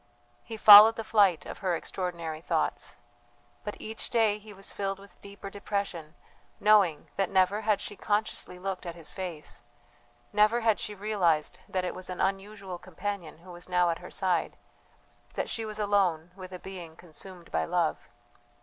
He followed the flight of her extraordinary thoughts; but each day he was filled with deeper depression, knowing that never had she consciously looked at his face, never had she realized that it was an unusual companion who was now at her side, that she was alone with a being consumed by love.